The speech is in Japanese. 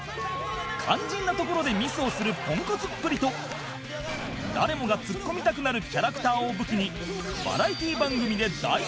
肝心なところでミスをするポンコツっぷりと誰もがツッコみたくなるキャラクターを武器にバラエティー番組で大ブレイク！